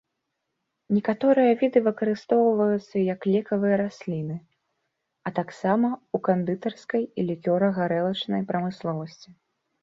Некаторыя віды выкарыстоўваюцца як лекавыя расліны, а таксама ў кандытарскай і лікёра-гарэлачнай прамысловасці.